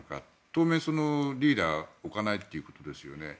当面リーダーを置かないということですよね。